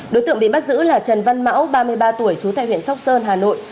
đối tượng bị bắt giữ là trần văn mão ba mươi ba tuổi trú tại huyện sóc sơn hà nội